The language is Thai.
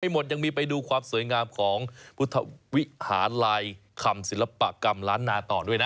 หมดยังมีไปดูความสวยงามของพุทธวิหารัยคำศิลปกรรมล้านนาต่อด้วยนะ